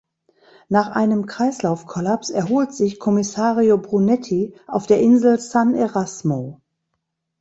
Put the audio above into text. Nach einem Kreislaufkollaps erholt sich Commissario Brunetti auf der Insel San Erasmo.